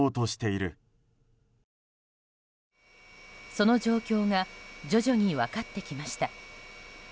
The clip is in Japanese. その状況が徐々に分かってきました。